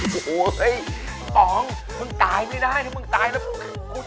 โหปองมึงตายไม่ได้นะมึงตายแล้ว